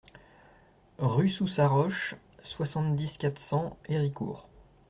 Rue Sous Saroche, soixante-dix, quatre cents Héricourt